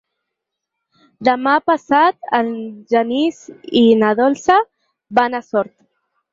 Demà passat en Genís i na Dolça van a Sort.